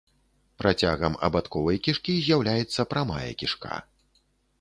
Працягам абадковай кішкі з'яўляецца прамая кішка.